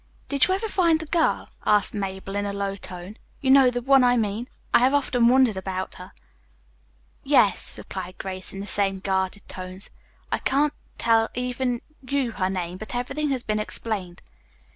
"Did you ever find the girl?" asked Mabel in a low tone. "You know the one I mean. I have often wondered about her." "Yes," replied Grace in the same guarded tones. "I can't tell even you her name, but everything has been explained."